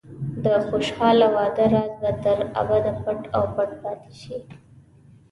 د خوشحاله واده راز به تر ابده پټ او پټ پاتې شي.